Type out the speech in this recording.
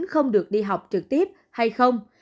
không được đi học trực tiếp hay không